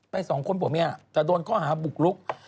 ไปสองคนผมเนี่ยแต่โดนข้อหาบุกรุก